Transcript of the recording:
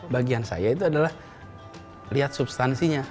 bagian saya itu adalah lihat substansinya